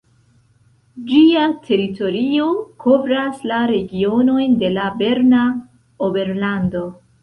Ĝia teritorio kovras la regionojn de la Berna Oberlando.